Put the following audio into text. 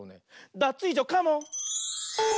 ダツイージョカモン！